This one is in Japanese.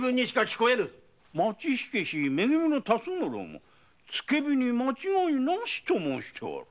町火消「め組」の辰五郎もつけ火に間違いなしと申しておる。